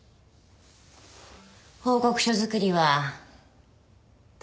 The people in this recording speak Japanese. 報告書作りは退屈？